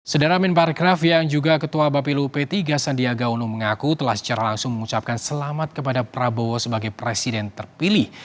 sedara men parkraf yang juga ketua bapilu p tiga sandiaga uno mengaku telah secara langsung mengucapkan selamat kepada prabowo sebagai presiden terpilih